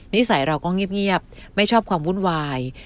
นิสัยเราก็เงียบไม่ชอบความวุ่นวาย